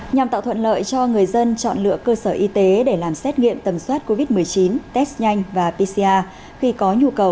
nhằm tạo thuận lợi cho người dân chọn lựa cơ sở y tế để làm xét nghiệm tầm soát covid một mươi chín test nhanh và pcr khi có nhu cầu